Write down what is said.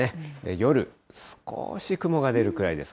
夜、少し雲が出るくらいです。